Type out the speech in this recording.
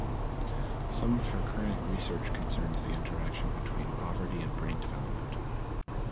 Some of her current research concerns the interaction between poverty and brain development.